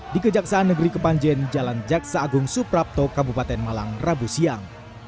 di kejaksaan negeri kepanjen jalan jaksa agung suprapto kabupaten malang rabu siang